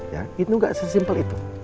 ya itu nggak sesimpel itu